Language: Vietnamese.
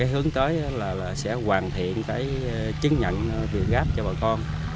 hướng tới là sẽ hoàn thiện chứng nhận việt gáp cho bà con